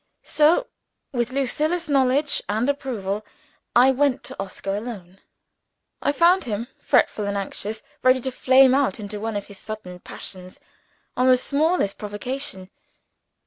So, with Lucilla's knowledge and approval, I went to Oscar alone. I found him fretful and anxious ready to flame out into one of his sudden passions, on the smallest provocation.